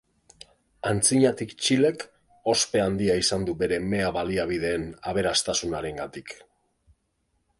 Antzinatik Txilek ospe handia izan du bere mea-baliabideen aberastasunarengatik.